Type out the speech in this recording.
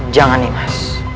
jangan nih mas